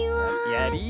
やり。